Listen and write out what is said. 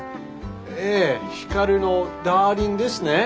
ええ光のダーリンですね。